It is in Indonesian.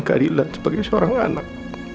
keadilan sebagai seorang anak